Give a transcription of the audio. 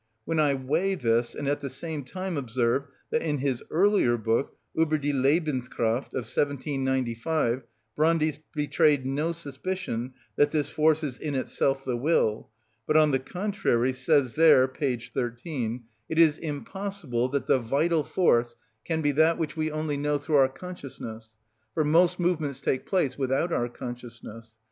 When I weigh this, and at the same time observe that in his earlier book, "Ueber die Lebenskraft," of 1795, Brandis betrayed no suspicion that this force is in itself the will, but, on the contrary, says there, page 13: "It is impossible that the vital force can be that which we only know through our consciousness, for most movements take place without our consciousness.